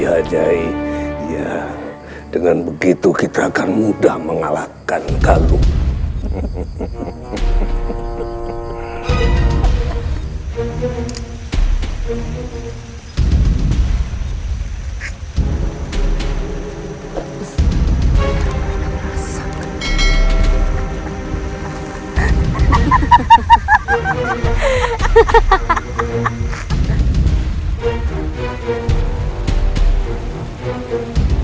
iya nyai iya dengan begitu kita akan mudah mengalahkan galu hehehe hehehe